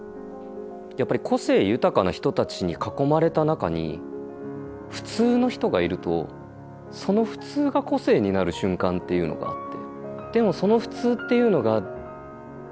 やっぱり個性豊かな人たちに囲まれた中に普通の人がいるとその普通が個性になる瞬間っていうのがあって。